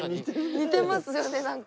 似てますよねなんか。